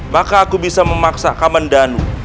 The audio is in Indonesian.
maka aku bisa memaksa kamendanu